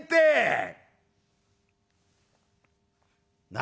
「何？